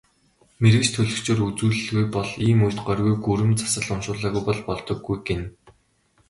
Мэргэч төлгөчөөр үзүүлэлгүй бол ийм үед горьгүй, гүрэм засал уншуулалгүй бол болдоггүй гэнэ.